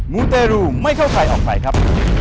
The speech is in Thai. มูเตรูไม่เข้าใครออกใครครับ